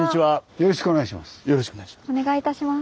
よろしくお願いします。